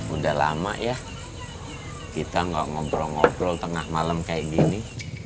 udah lama ya kita nggak ngobrol ngobrol tengah malam kayak gini